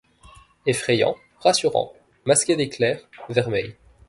Effrayant, rassurant, masqué d'éclairs, vermeil